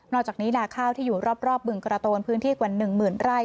อกจากนี้นาข้าวที่อยู่รอบบึงกระโตนพื้นที่กว่า๑หมื่นไร่